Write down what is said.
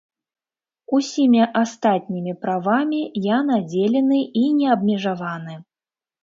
Усімі астатнімі правамі я надзелены і неабмежаваны.